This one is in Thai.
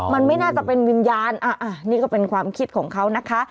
มันไม่น่าจะเป็นวิญญาณนี่ก็เป็นความคิดของเขานะคะ